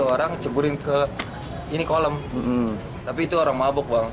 orang ceburin ke ini kolam tapi itu orang mabuk bang